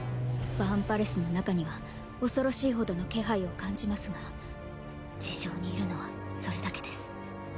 バーンパレスの中には恐ろしいほどの気配を感じますが地上にいるのはそれだけです。